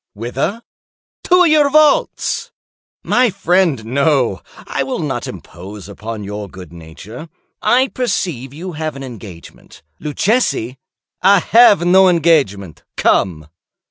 "Whither?" "To your vaults." "My friend, no; I will not impose upon your good nature. I perceive you have an engagement. Luchesi—" "I have no engagement;—come."